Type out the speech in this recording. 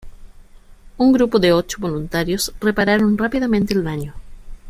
Un grupo de ocho voluntarios repararon rápidamente el daño.